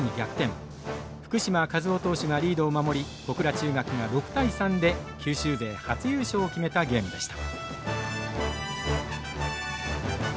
福嶋一雄投手がリードを守り小倉中学が６対３で九州勢初優勝を決めたゲームでした。